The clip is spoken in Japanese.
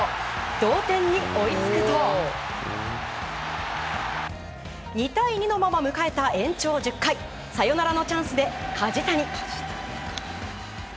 同点に追いつくと２対２のまま迎えた延長１０回サヨナラのチャンスで梶谷。